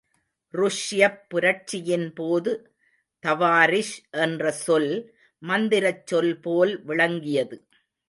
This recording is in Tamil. ருஷ்யப் புரட்சியின்போது தவாரிஷ் என்ற சொல் மந்திரச் சொல் போல் விளங்கியது.